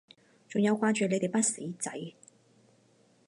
仲有掛住你哋班死仔